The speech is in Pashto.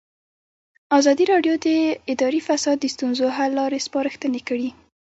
ازادي راډیو د اداري فساد د ستونزو حل لارې سپارښتنې کړي.